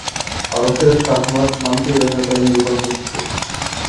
পারস্যের ‘শাহ-মাৎ’ নামটিও রেহাই পায়নি রূপান্তর থেকে।